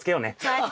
はい。